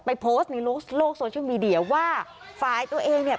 โพสต์ในโลกโซเชียลมีเดียว่าฝ่ายตัวเองเนี่ย